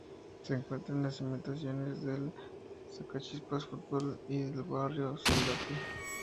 Se encuentra en las inmediaciones del Sacachispas Fútbol Club y del Barrio Soldati.